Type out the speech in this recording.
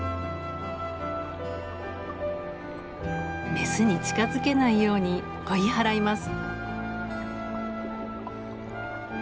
メスに近づけないように追い払います。